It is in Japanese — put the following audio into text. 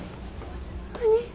何？